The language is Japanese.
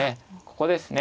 ここですね。